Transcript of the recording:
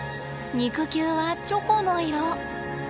肉球はチョコの色。